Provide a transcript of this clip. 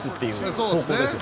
そうですね。